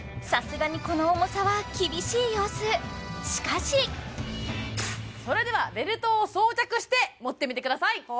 さすがにこの重さは厳しい様子しかしそれではベルトを装着して持ってみてください